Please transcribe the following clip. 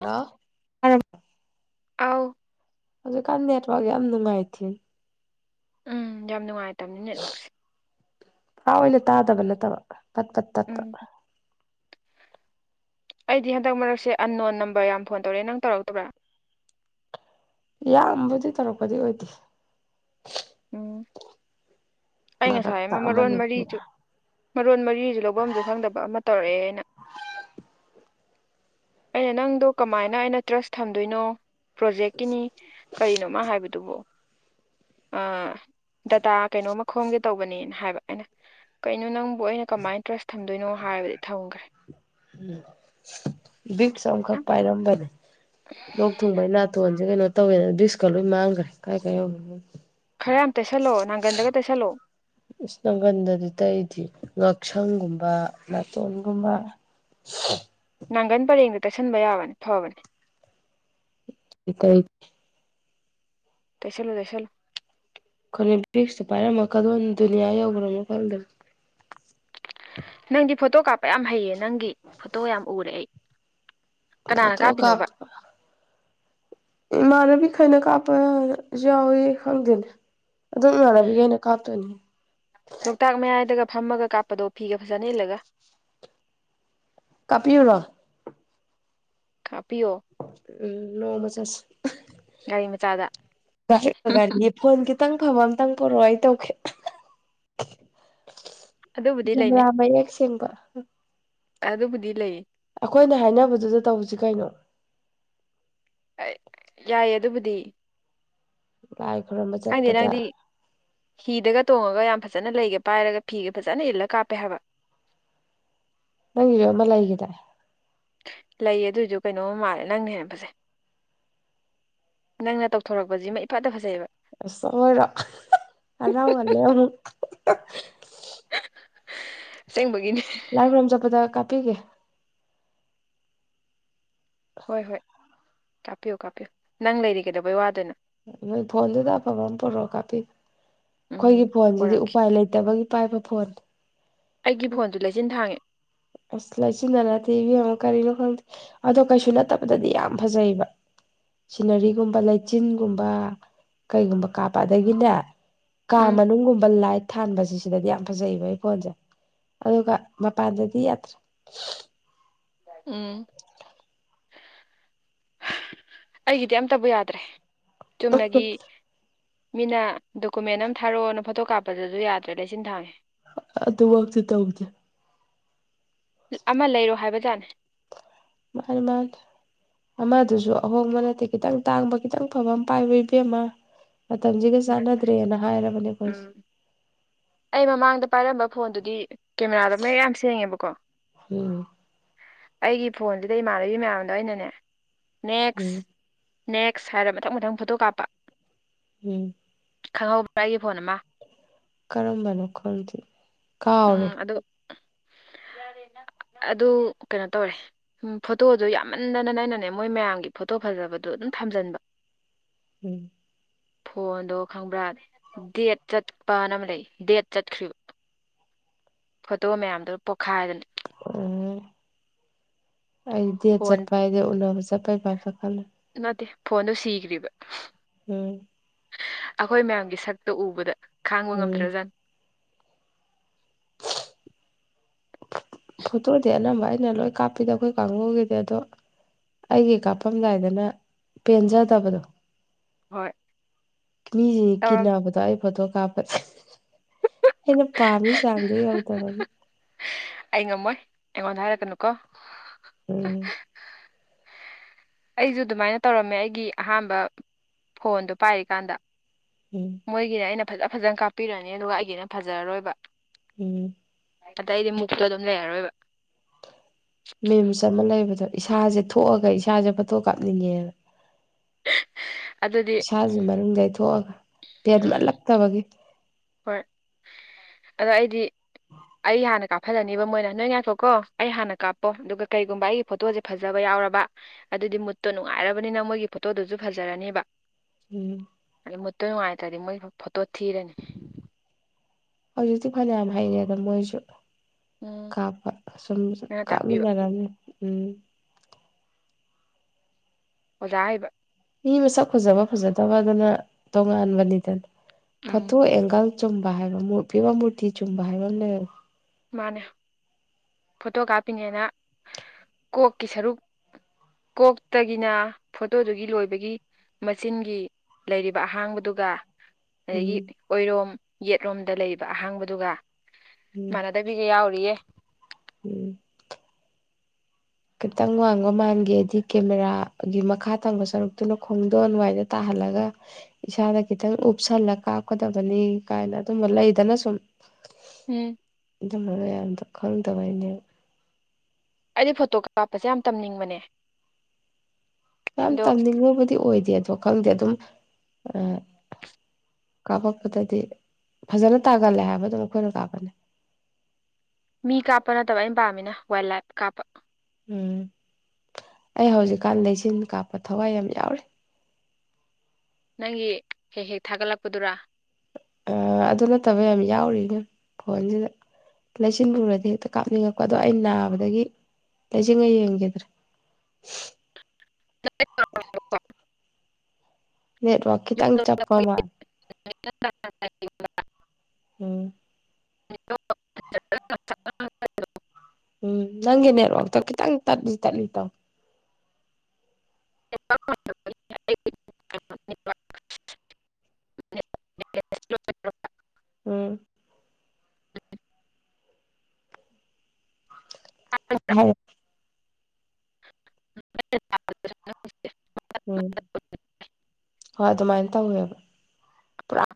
ꯍꯜꯂ ꯇꯥꯔꯕꯣ ꯑꯥꯎ ꯍꯧꯖꯤꯛꯀꯥꯟ ꯅꯦꯗꯋꯥꯛ ꯌꯥꯝꯅ ꯅꯨꯡꯥꯏꯇꯦ ꯎꯝ ꯌꯥꯝ ꯅꯨꯡꯉꯥꯏꯇꯕꯅꯤ ꯅꯦꯠꯋꯥꯛꯁꯦ ꯄꯨꯝ ꯑꯣꯏꯅ ꯇꯥꯗꯕ ꯅꯠꯇꯕ ꯄꯠ ꯄꯠ ꯎꯝ ꯇꯠꯄ ꯑꯩꯗꯤ ꯍꯟꯗꯛ ꯃꯔꯛꯁꯦ ꯑꯟ ꯅꯣꯟ ꯅꯝꯕꯔ ꯌꯥꯝꯅ ꯐꯣꯟ ꯇꯧꯔꯛꯑꯦ ꯅꯪ ꯇꯧꯔꯛꯇꯕ꯭ꯔꯥ ꯌꯥꯝꯕꯨꯗꯤ ꯇꯧꯔꯛꯄꯗꯤ ꯑꯣꯏꯗꯦ ꯑꯣꯝ ꯑꯩ ꯉꯁꯥꯏ ꯃꯔꯛꯇ ꯃꯃꯥꯣꯟ ꯑꯃꯅꯤ ꯃꯔꯤꯁꯨ ꯃꯔꯣꯟ ꯃꯔꯤꯁꯨ ꯂꯧꯐꯝꯁꯨ ꯈꯪꯗꯕ ꯑꯃ ꯇꯧꯔꯛꯑꯦ ꯍꯥꯏꯅ ꯑꯩꯅ ꯅꯪꯗꯣ ꯀꯃꯥꯏꯅ ꯑꯩꯅ ꯇ꯭ꯔꯁ ꯊꯝꯗꯣꯏꯅꯣ ꯄ꯭ꯔꯣꯖꯦꯛꯀꯤꯅꯤ ꯀꯔꯤꯅꯣꯃ ꯍꯥꯏꯕꯗꯨꯕꯨꯣ ꯗꯇꯥ ꯀꯩꯅꯣꯃ ꯈꯣꯝꯒꯦ ꯇꯧꯕꯅꯦꯅ ꯍꯥꯏꯕ ꯑꯩꯅ ꯀꯩꯅꯣ ꯅꯪꯕꯨ ꯑꯩꯅ ꯀꯃꯥꯏꯅ ꯇ꯭ꯔꯁ ꯊꯝꯗꯣꯏꯅꯣ ꯍꯥꯏꯕꯗꯤ ꯊꯝꯈ꯭ꯔꯦ ꯕꯤꯛꯁꯈꯛ ꯄꯥꯏꯔꯝꯕꯝꯕꯅꯦ ꯂꯣꯛ ꯊꯨꯡꯕꯩ ꯅꯥꯇꯣꯟꯁꯦ ꯀꯩꯅꯣ ꯇꯧꯋꯦꯅ ꯭ꯁꯀ ꯂꯣꯏ ꯃꯥꯡꯈ꯭ꯔꯦ ꯀꯥꯏ ꯀꯥꯏ ꯌꯧ ꯈꯔ ꯌꯥꯝ ꯇꯩꯁꯜꯂꯛꯑꯣ ꯅꯅꯥꯒꯟꯗꯒ ꯇꯩꯁꯜꯂꯛꯑꯣ ꯏꯁꯅꯥꯀꯟꯗꯗꯤ ꯇꯩꯗꯤ ꯉꯛꯁꯪꯒꯨꯝꯕ ꯅꯥꯇꯣꯟꯒꯨꯝꯕ [inaudible] ꯅꯥꯒꯟ ꯄꯔꯦꯡꯗ ꯇꯩꯁꯟꯕ ꯌꯥꯕꯅꯤ ꯐꯕꯅꯦ [unintelligible] ꯇꯁꯜ ꯇꯁꯣ ꯑꯩꯈꯣꯏ ꯕ꯭ꯔꯤꯛꯁꯇ ꯄꯥꯏꯔꯝꯃꯜꯣ ꯗꯤꯅꯤꯌꯥ ꯌꯧꯕ꯭ꯔꯣ ꯃꯈꯜꯗ ꯅꯪꯗꯤ ꯐꯣꯇꯣ ꯀꯥꯞꯄ ꯌꯥꯝ ꯍꯩꯌꯦ ꯅꯪꯒꯤ ꯐꯣꯇꯣ ꯌꯥꯝ ꯎꯔꯦ ꯑꯩ ꯀꯅꯥꯅ ꯐꯣꯇꯣ ꯀꯥꯞꯄꯤꯅꯣꯕ ꯏꯃꯥꯅꯕꯤ ꯈꯅ ꯀꯥꯞꯄ ꯌꯥꯎꯏ ꯈꯪꯗꯦꯅꯦ ꯑꯗꯨꯝ ꯏꯥꯟꯅꯕꯤꯒꯩꯅ ꯀꯥꯞꯇꯣꯏꯅꯤ ꯂꯣꯛꯇꯥꯛ ꯃꯌꯥꯏꯗꯒ ꯐꯝꯃꯒ ꯀꯥꯞꯄꯗꯣ ꯐꯤꯒ ꯐꯖꯅ ꯏꯜꯂꯒ ꯀꯥꯞꯄꯤꯔꯨꯔꯣ ꯀꯥꯞ ꯎꯝ ꯅꯣꯡꯃ ꯆꯁ ꯒꯥꯔꯤ ꯃꯆꯥꯗ [unintelligible] ꯐꯣꯟ ꯈꯤꯇꯪ ꯐꯕ ꯑꯃꯇꯪ ꯄꯔꯛꯑꯣ ꯑꯩ ꯇꯧꯒꯦ ꯑꯗꯨꯕꯨꯗꯤ ꯂꯩꯅꯦ ꯀꯦꯃꯦꯔꯥ ꯃꯌꯦꯛ ꯁꯦꯡꯕ ꯑꯗꯨꯕꯨꯗꯤ ꯂꯩ ꯑꯩꯈꯣꯏꯅ ꯍꯥꯏꯅꯕꯗꯨꯗ ꯇꯧꯕꯁꯤ ꯀꯩꯅꯣ ꯌꯥꯏꯌꯦ ꯑꯗꯨꯕꯨꯗꯤ ꯂꯥꯏ ꯈꯨꯔꯝꯕ ꯈꯪꯗꯦ ꯆꯠꯄꯗ ꯅꯪꯗꯤ ꯍꯤꯗꯒ ꯇꯣꯡꯉꯒ ꯌꯥꯝ ꯐꯖꯅ ꯂꯩꯒꯦ ꯄꯥꯏꯔꯒ ꯐꯤꯒ ꯐꯖꯅ ꯏꯜꯂꯥ ꯀꯥꯞꯄꯦ ꯍꯥꯏꯕ ꯅꯪꯒꯤꯁꯨ ꯑꯃ ꯂꯩꯈꯤꯗꯥꯢ ꯂꯩꯌꯦ ꯑꯗꯨꯑꯣꯏꯁꯨ ꯀꯩꯅꯣꯝ ꯃꯥꯜꯂꯦ ꯅꯪꯅ ꯍꯦꯟꯅ ꯐꯥꯒꯩ ꯅꯪꯅ ꯇꯧꯊꯣꯔꯛꯄꯁꯤꯃ ꯏꯐꯠꯇ ꯐꯖꯩꯑꯦꯕ ꯆꯠꯂꯣꯗꯥ ꯍꯥꯔꯥꯎ ꯍꯜꯂꯦ ꯑꯃꯨꯛ ꯑꯁꯦꯡꯕꯒꯤꯅꯦ ꯂꯥꯏꯕꯔꯣꯝꯕ ꯆꯠꯄꯥꯗ ꯀꯥꯞꯄꯤꯒꯦ ꯍꯣꯏ ꯍꯣꯏ ꯀꯥꯞꯄꯤꯌꯨ ꯀꯥꯞꯄꯤꯌꯨ ꯅꯪ ꯂꯩꯔꯤ ꯀꯩꯗꯧꯕꯩ ꯋꯥꯗꯣꯢꯅꯣ ꯅꯣꯏ ꯐꯣꯟꯗꯨꯗ ꯑꯐꯕ ꯑꯃ ꯄꯨꯔꯛꯑꯣ ꯀꯥꯞꯄꯤꯒꯦ ꯎꯝ ꯑꯩꯈꯣꯏꯒꯤ ꯐꯣꯟꯁꯤꯗꯤ ꯄꯣꯔꯛꯀꯦ ꯎꯄꯥꯏ ꯂꯩꯇꯕꯒꯤ ꯄꯥꯏꯕ ꯐꯣꯟ ꯑꯩꯒꯤ ꯐꯣꯟꯗꯨꯣ ꯂꯩꯆꯤꯟ ꯊꯥꯡꯉꯦ ꯑꯁ ꯂꯩꯆꯤꯟꯗ ꯅꯠꯇꯦ ꯀꯔꯤꯅꯣ ꯈꯪꯗꯦ ꯑꯗꯣ ꯀꯩꯁꯨ ꯅꯠꯇꯕꯗꯗꯤ ꯌꯥꯝ ꯐꯖꯩꯕ ꯁꯤꯅꯔꯤꯒꯨꯝꯕ ꯂꯩꯆꯤꯟꯒꯨꯝꯕ ꯀꯩꯒꯨꯝꯕ ꯀꯥꯞꯄ ꯑꯗꯥꯒꯤꯅꯦ ꯀꯥ ꯎꯝ ꯃꯅꯨꯡꯒꯨꯝꯕ ꯂꯥꯏꯠ ꯊꯥꯟꯕꯁꯤ ꯁꯤꯗꯗꯤ ꯌꯥꯝ ꯐꯖꯩꯌꯦꯕ ꯑꯩ ꯐꯣꯟꯁꯦ ꯑꯗꯨꯒ ꯃꯄꯥꯟꯗꯗꯤ ꯌꯥꯇ꯭ꯔꯦ ꯎꯝ ꯑꯩꯒꯤꯗꯤ ꯑꯝꯇꯕꯨ ꯌꯥꯗ꯭ꯔꯦ ꯆꯨꯝꯅꯒꯤ ꯃꯤꯅ ꯗꯣꯀꯨꯃꯦꯟ ꯑꯃ ꯊꯥꯔꯛꯑꯣꯅ ꯐꯣꯇꯣ ꯀꯥꯞꯄꯗꯨꯁꯨ ꯌꯥꯗ꯭ꯔꯦ ꯂꯩꯆꯤꯟ ꯊꯥꯡꯉꯦ ꯑꯗꯨꯃꯛꯇꯤ ꯇꯧꯗꯦ ꯑꯃ ꯂꯩꯔꯣ ꯍꯥꯏꯕꯖꯥꯠꯅꯦ ꯃꯥꯅꯦ ꯃꯥꯅꯦ ꯑꯃꯗꯨꯁꯨ ꯑꯍꯣꯡꯕ ꯅꯠꯇꯦ ꯈꯤꯇꯪ ꯇꯥꯡꯕ ꯈꯤꯇꯪ ꯐꯕ ꯑꯃ ꯄꯥꯏꯌꯣ ꯏꯕꯦꯝꯃ ꯃꯇꯝꯁꯤꯒ ꯆꯥꯟꯅꯗ꯭ꯔꯦꯅ ꯍꯥꯏꯔꯕꯅꯦ ꯑꯩꯈꯣꯏꯁꯦ ꯎꯝ ꯑꯩ ꯃꯃꯥꯡꯗ ꯄꯥꯏꯔꯝꯕ ꯐꯣꯟꯗꯨꯗꯤ ꯀꯦꯃꯦꯔꯥꯗꯣ ꯃꯌꯦꯛ ꯌꯥꯝ ꯁꯦꯡꯉꯦꯕꯀꯣ ꯎꯝ ꯑꯩꯒꯤ ꯐꯣꯟꯁꯤꯗ ꯏꯃꯥꯟꯅꯕꯤ ꯃꯌꯥꯝꯗꯣ ꯑꯩꯅꯅꯦ ꯅꯦꯛꯁ ꯎꯝ ꯅꯦꯛꯁ ꯍꯥꯏꯔ ꯃꯊꯪ ꯃꯊꯪ ꯐꯣꯇꯣ ꯀꯥꯞꯄ ꯎꯝ ꯈꯪꯍꯧꯕ꯭ꯔꯥ ꯑꯩꯒꯤ ꯐꯣꯟ ꯑꯃ ꯀꯔꯝꯕꯅꯣ ꯈꯪꯗꯦ ꯎꯝ ꯀꯥꯎꯔꯦ ꯑꯗꯨ [inaudible] ꯑꯗꯨ ꯀꯩꯅꯣ ꯇꯧꯔꯦ ꯎꯝ ꯐꯣꯇꯣꯗꯨ ꯌꯥꯝꯃꯟꯗꯥꯅꯥꯅꯦ ꯃꯣꯏ ꯃꯌꯥꯝꯒꯤ ꯐꯣꯇꯣ ꯐꯖꯕꯗꯣ ꯑꯗꯨꯝ ꯊꯝꯖꯟꯕ ꯎꯝ ꯐꯣꯟꯗꯣ ꯈꯪꯕ꯭ꯔꯥ ꯗꯦꯠ ꯆꯠꯄꯅ ꯑꯃ ꯂꯩ ꯗꯦꯠ ꯆꯠꯈ꯭ꯔꯤꯕ ꯐꯣꯇꯣ ꯃꯌꯥꯝꯗꯨ ꯄꯣꯛꯈꯥꯏꯗꯅꯤ ꯎ ꯑꯩꯗꯤ ꯗꯦꯠ ꯐꯣꯟ ꯆꯠꯄ ꯍꯥꯏꯗꯤ ꯎꯅꯕ ꯆꯠꯄꯩ ꯕꯥꯞꯇꯥ ꯈꯜꯂꯤ ꯅꯠꯇꯦ ꯐꯣꯟꯗꯣ ꯁꯤꯈ꯭ꯔꯤꯕ ꯎꯝ ꯑꯩꯈꯣꯏ ꯃꯌꯥꯝꯒꯤ ꯁꯛꯇ ꯎꯕꯗ ꯈꯥꯡꯕ ꯎꯝ ꯉꯝꯗ꯭ꯔ ꯖꯥꯠ ꯐꯣꯇꯣꯗꯤ ꯑꯅꯝꯕ ꯑꯩꯅ ꯂꯣꯏ ꯀꯥꯞꯄꯤꯗ ꯑꯩꯈꯣꯏ ꯀꯥꯡꯕꯨꯒꯤꯗꯤ ꯑꯗꯣ ꯑꯩꯒꯤ ꯀꯥꯞꯐꯝꯝꯗꯥꯏꯗꯅ ꯄꯦꯟꯖꯗꯕꯗꯣ ꯍꯣꯏ ꯃꯤꯁꯤ ꯇꯧꯔꯝ ꯀꯤꯟꯅꯕꯗ ꯑꯩ ꯐꯣꯇꯣ ꯀꯥꯞꯄꯗꯥ ꯑꯩꯅ ꯄꯥꯝꯃꯤ ꯆꯥꯡꯗꯣ ꯌꯥꯎꯗꯕꯅꯤ ꯑꯩ ꯉꯝꯃꯣꯏ ꯑꯩꯉꯣꯟꯗ ꯍꯥꯏꯔꯛꯀꯅꯨ ꯀꯣ ꯎꯝ ꯑꯩꯁꯨ ꯑꯗꯨꯃꯥꯏꯅ ꯇꯧꯔꯝꯃꯦ ꯑꯩꯒꯤ ꯑꯍꯥꯟꯕ ꯐꯣꯟꯗꯣ ꯄꯥꯏꯔꯤꯀꯥꯟꯗ ꯎꯝ ꯃꯣꯏꯒꯤꯅꯦ ꯑꯩꯅ ꯐꯖ ꯐꯖꯅ ꯀꯥꯞꯄꯤꯔꯅꯤ ꯑꯗꯨꯒ ꯑꯩꯒꯤꯅ ꯐꯖꯔꯔꯣꯏꯕ ꯎꯝ ꯑꯗ ꯑꯩꯗꯤ ꯃꯨꯛꯇꯣ ꯑꯗꯨꯝ ꯂꯩꯔꯔꯣꯏꯕ ꯃꯦꯝꯁ ꯑꯃ ꯂꯩꯕꯗꯣ ꯏꯁꯥꯁꯦ ꯊꯣꯛꯑꯒ ꯏꯁꯥꯁꯦ ꯐꯣꯇꯣ ꯀꯥꯞꯅꯤꯡꯉꯦꯕ ꯑꯗꯨꯗꯤ ꯏꯁꯥꯁꯤ ꯃꯅꯨꯡꯗꯩꯊꯣꯛꯑꯒ ꯎꯝ ꯐꯦꯟꯠꯃꯠꯂꯛꯇꯕꯒꯤ ꯍꯣꯏ ꯑꯗ ꯑꯩꯗꯤ ꯑꯩ ꯍꯥꯟꯅ ꯀꯥꯞꯐꯜꯗꯅꯤꯕ ꯃꯣꯏꯅ ꯅꯣꯏ ꯉꯥꯏꯈꯣꯀꯣ ꯑꯩ ꯍꯥꯟꯅ ꯀꯥꯞꯄꯣ ꯑꯗꯨꯒ ꯀꯩꯒꯨꯝꯕ ꯑꯩ ꯐꯣꯇꯣꯁꯦ ꯐꯖꯕ ꯌꯥꯎꯔꯕ ꯑꯗꯨꯗꯤ ꯃꯨꯠꯇꯣ ꯅꯨꯡꯉꯥꯏꯔꯕꯅꯤꯅ ꯃꯣꯏꯒꯤ ꯐꯣꯇꯣꯗꯨꯁꯨ ꯐꯖꯔꯅꯦꯕ ꯎꯝ ꯑꯗꯨ ꯃꯨꯠꯇꯣꯏ ꯅꯨꯡꯉꯥꯏꯇ꯭ꯔꯗꯤ ꯃꯣꯏ ꯐꯣꯇꯣ ꯊꯤꯔꯅꯤ ꯍꯧꯖꯤꯛꯇꯤ ꯐꯅꯌꯥꯝ ꯍꯩꯔꯦ ꯑꯗ ꯃꯣꯏꯁꯨ ꯎꯝ ꯀꯥꯞꯄ ꯁꯨꯝ ꯅꯪꯅ ꯇꯥꯛꯄꯤꯕ ꯀꯥꯞꯃꯤꯟꯅꯔꯅꯤ ꯎꯝ ꯑꯣꯖꯥ ꯍꯥꯏꯕ ꯃꯤ ꯃꯁꯛ ꯐꯖꯕ ꯐꯖꯗꯕ ꯑꯗꯨꯅ ꯇꯣꯉꯥꯟꯕꯅꯤꯗꯅ ꯐꯣꯇꯣ ꯎꯝ ꯑꯦꯡꯒꯜ ꯆꯨꯝꯕ ꯍꯥꯏꯕ ꯐꯤꯕꯥ ꯃꯨꯔꯇꯤ ꯆꯨꯝꯕ ꯍꯥꯏꯕ ꯑꯃ ꯂꯩ ꯃꯥꯅꯦ ꯐꯣꯇꯣ ꯀꯥꯞꯄꯤꯉꯅ ꯀꯣꯛꯀꯤ ꯁꯔꯨꯛ ꯀꯣꯛꯇꯒꯤꯅ ꯐꯣꯇꯣꯗꯨꯒꯤ ꯂꯣꯏꯕꯒꯤ ꯃꯆꯤꯟꯒꯤ ꯂꯩꯔꯤꯕ ꯑꯍꯥꯡꯕꯗꯨꯒ ꯎꯝ ꯑꯗꯒꯤ ꯑꯣꯏꯔꯣꯝ ꯌꯦꯠꯂꯣꯝꯗ ꯂꯩꯕ ꯑꯍꯥꯡꯕꯗꯨꯒ ꯎꯝ ꯃꯥꯟꯅꯗꯕꯤꯒ ꯌꯥꯎꯔꯤꯌꯦ ꯎꯝ ꯈꯤꯇꯪ ꯋꯥꯡꯕ ꯃꯥꯟꯒꯦꯗꯤ ꯀꯦꯃꯦꯔꯥꯒꯤ ꯃꯈꯥ ꯊꯪꯕ ꯁꯔꯨꯛꯇꯨꯅ ꯈꯣꯡꯗꯣꯟ ꯑꯗꯨꯋꯥꯏꯗ ꯇꯥꯍꯜꯂꯒ ꯏꯁꯥꯗ ꯈꯤꯇꯪ ꯎꯞꯁꯜꯂ ꯀꯥꯞꯀꯗꯕꯅꯤ ꯀꯥꯏꯅ ꯑꯗꯨꯝꯕ ꯂꯩꯗꯅ ꯁꯨꯝ ꯎꯝ ꯑꯗꯨꯅꯔ ꯑꯗ ꯈꯪꯗꯕꯩꯅꯦ ꯑꯩꯗꯤ ꯐꯣꯇꯣ ꯀꯥꯞꯄꯁꯦ ꯌꯥꯝ ꯇꯝꯅꯤꯡꯕꯅꯦ ꯌꯥꯝ ꯑꯗꯣ ꯇꯝꯅꯤꯡꯉꯕꯨꯗꯤ ꯑꯣꯏꯗꯦ ꯑꯗꯣ ꯈꯪꯗꯦ ꯑꯗꯨꯝ ꯑ ꯀꯥꯞꯄꯛꯄꯗꯗꯤ ꯐꯖꯅ ꯇꯥꯒꯜꯂꯦ ꯍꯥꯏꯕ ꯑꯗꯨꯝ ꯑꯩꯈꯣꯏꯅ ꯀꯥꯞꯄꯅꯤ ꯃꯤ ꯀꯥꯞꯄ ꯅꯠꯇꯕ ꯑꯩꯅ ꯄꯥꯝꯃꯤꯅ ꯋꯥꯏꯜ ꯂꯥꯏꯐ ꯀꯥꯞꯄ ꯎꯝ ꯑꯩ ꯍꯧꯖꯤꯛꯀꯥꯟꯗ ꯏꯆꯤꯟ ꯀꯥꯞꯄ ꯊꯋꯥꯏ ꯌꯥꯝ ꯌꯥꯎꯔꯤ ꯅꯪꯒꯤ ꯍꯦꯛ ꯍꯦꯛ ꯊꯥꯒꯠꯂꯛꯄꯗꯨꯔꯥ ꯑ ꯑꯗꯨ ꯅꯠꯇꯕ ꯌꯥꯝ ꯌꯥꯎꯔꯤꯅꯦ ꯐꯣꯟꯁꯤꯗ ꯂꯩꯆꯤꯟꯑꯣꯔꯗꯤ ꯍꯦꯛꯇ ꯀꯥꯞꯅꯤꯡꯉꯛꯄ ꯑꯗꯣ ꯑꯩ ꯅꯥꯕꯗꯒꯤ ꯂꯩꯆꯤꯡꯉ ꯌꯦꯡꯈꯤꯗ꯭ꯔꯥ ꯎ [unintelligible] [unintelligible] ꯅꯦꯠ ꯋꯥꯛ ꯈꯤꯇꯪ ꯆꯞꯄ ꯃꯥ [unintelligible] ꯎꯝ [unintelligible] ꯑꯥꯣ ꯎꯝ ꯅꯪꯒꯤ ꯅꯦꯠꯋꯥꯛ ꯇꯣ ꯈꯤꯇꯪ ꯇꯠꯂꯤ ꯇꯠꯂꯤ ꯇꯧꯏ ꯑꯦ [unintelligible] ꯎꯝ ꯍ [unintelligible] ꯦ [unintelligible] ꯎꯝ ꯍꯣꯏ ꯑꯗꯨꯃꯥꯏꯅ ꯇꯧꯋꯦꯕ ꯄꯨꯔꯥ